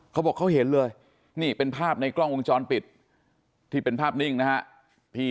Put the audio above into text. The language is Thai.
เขาบอกเขาเห็นเลยนี่เป็นภาพในกล้องวงจรปิดที่เป็นภาพนิ่งนะฮะ